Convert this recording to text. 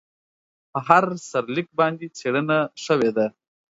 په هر سرلیک باندې څېړنه شوې ده.